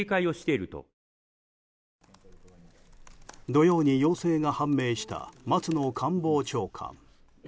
土曜に陽性が判明した松野官房長官。